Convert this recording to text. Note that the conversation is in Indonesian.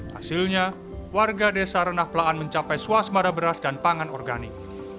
hasilnya warga desa renah pelahan mencapai suas marah beras dan pangan organik